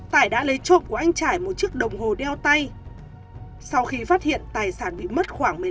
trải đã lấy chộp của anh trải một chiếc đồng hồ đeo tay sau khi phát hiện tài sản bị mất khoảng